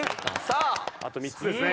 あと３つですね。